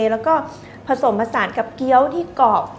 แล้วก็ผสมผสานกับเกี้ยวที่กรอบ